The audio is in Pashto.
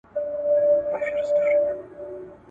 په عام محضر کي `